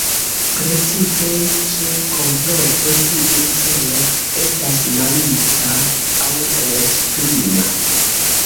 Precipe ĉe komploto tiu celo estas malica aŭ eĉ krima.